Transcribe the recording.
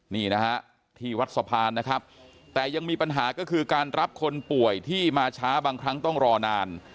นี่นะฮะที่วัดสะพานนะครับแต่ยังมีปัญหาก็คือการรับคนป่วยที่มาช้าบางครั้งต้องรอนาน